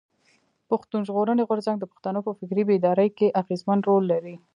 پښتون ژغورني غورځنګ د پښتنو په فکري بيداري کښي اغېزمن رول لري.